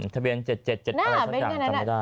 เทะเพลงเจ็ดอะไรสักอย่างจังไม่ได้